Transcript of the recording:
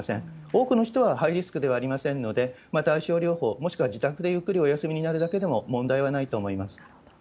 多くの人はハイリスクではありませんので、対症療法、もしくは自宅でゆっくりお休みになるだけでも、問題はないと思います。